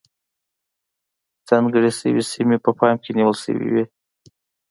ځانګړې شوې سیمې په پام کې نیول شوې وې.